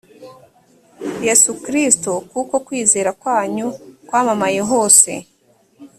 yesu kristo kuko kwizera kwanyu kwamamaye hose